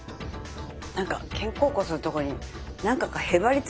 なんか肩甲骨のところに何かがへばりついてるような。